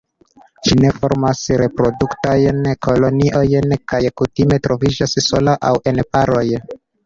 Ĝi ne formas reproduktajn koloniojn, kaj kutime troviĝas sola aŭ en paroj.